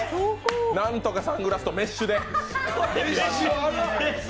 何とかサングラスとメッシュで。